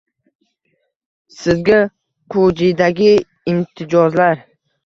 Sizga qujidagi imtijozlar: